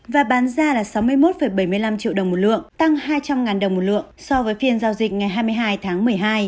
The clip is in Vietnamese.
và bán ra là sáu mươi một bảy mươi năm triệu đồng một lượng tăng hai trăm linh đồng một lượng so với phiên giao dịch ngày hai mươi hai tháng một mươi hai